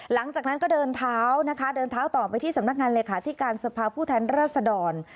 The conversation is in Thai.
หลังจากนั้นก็เดินเท้านะคะเดินเท้าต่อไปที่สำนักงานเลขาธิการสภาพผู้แทนรัศดร